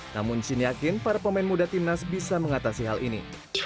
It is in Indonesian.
namun shin yakin para pemain muda timnas bisa mengatasi hal ini